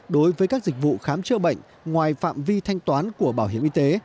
đối với các dịch vụ khám chữa bệnh ngoài phạm vi thanh toán của bảo hiểm y tế